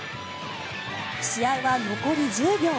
試合は残り１０秒。